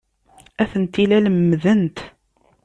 Atenti la lemmdent.